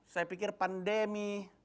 saya pikir pandemi